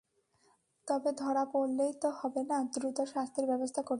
তবে ধরা পড়লেই তো হবে না, দ্রুত শাস্তির ব্যবস্থা করতে হবে।